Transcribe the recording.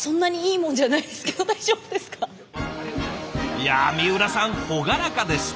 いや水卜さん朗らかですてき！